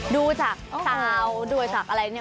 ดูจากซาวดูจากอะไรเนี่ย